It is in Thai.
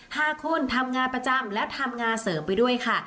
ห้าคนทำงานประจำและทำงานเสริมไปด้วยค่ะ